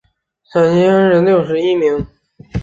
陕西乡试第六十一名。